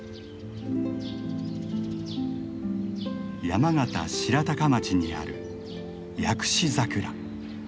山形白鷹町にある薬師桜。